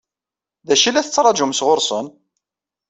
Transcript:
D acu i la tettṛaǧum sɣur-sen?